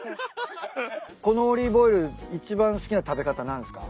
このオリーブオイル一番好きな食べ方何すか？